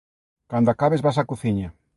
Cando acabes vas á cociña